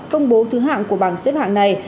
công bố thứ hạng của bảng xếp hạng này